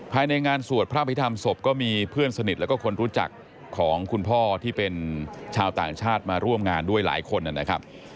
ภายในงานสวดพระพิธรรมศพก็มีเพื่อนสนิทแล้วก็คนรู้จักของคุณพ่อที่เป็นชาวต่างชาติมาร่วมงานด้วยหลายคนนะครับ